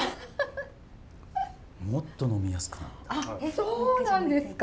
そうなんですか？